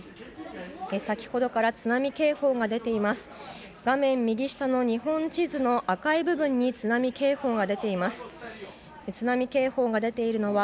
先ほどから津波警報が出ています。